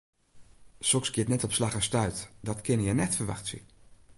Soks giet net op slach en stuit, dat kinne jo net ferwachtsje.